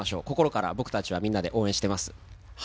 心から僕たちはみんなで応援してます。